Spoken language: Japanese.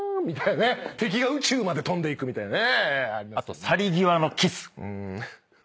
敵が宇宙まで飛んでいくみたいなね。